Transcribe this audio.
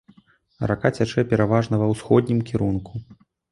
Рака цячэ пераважна ва ўсходнім кірунку.